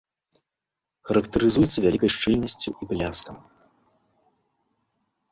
Характарызуецца вялікай шчыльнасцю і бляскам.